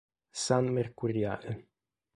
San Mercuriale.